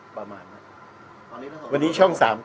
ประมาณนั้นวันนี้ช่อง๓ใครมาเนี่ย